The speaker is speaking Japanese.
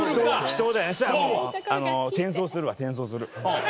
そしたら転送するわ転送する。